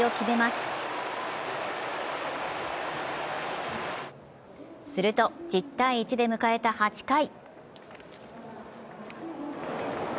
すると１０−１で迎えた８回。